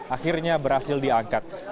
akhirnya berhasil diangkat